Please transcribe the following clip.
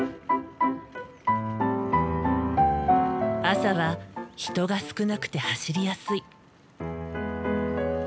朝は人が少なくて走りやすい。